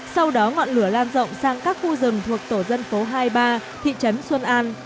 sau đó ngọn lửa lan rộng sang các khu rừng thuộc tổ dân phố hai mươi ba thị trấn xuân an